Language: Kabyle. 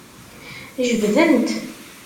Jebden-t.